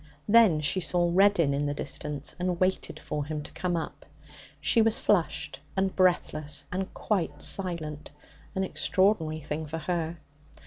Then she saw Reddin in the distance, and waited for him to come up. She was flushed and breathless and quite silent an extraordinary thing for her.